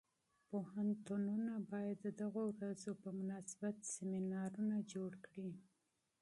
پوهنتونونه باید د دغو ورځو په مناسبت سیمینارونه جوړ کړي.